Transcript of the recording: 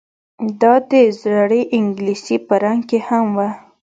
دا د زړې انګلیسي په رنګ کې هم وه